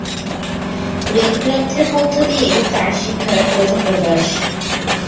বেদগ্রন্থের মধ্য দিয়েই তাঁর শিক্ষার প্রথম প্রকাশ।